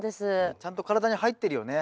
ちゃんと体に入ってるよね。